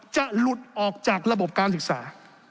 จะหลุดออกจากระบบการศึกษา